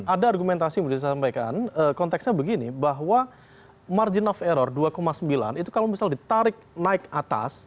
ada argumentasi yang bisa disampaikan konteksnya begini bahwa margin of error dua sembilan itu kalau misalnya ditarik naik atas